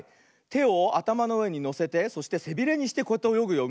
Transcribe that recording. てをあたまのうえにのせてそしてせびれにしてこうやっておよぐよ。